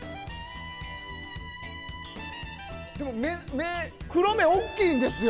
でも黒目、大きいんですよ！